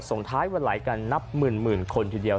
ส่งท้ายวันไหลกันนับหมื่นคนทีเดียว